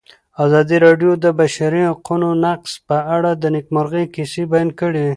ازادي راډیو د د بشري حقونو نقض په اړه د نېکمرغۍ کیسې بیان کړې.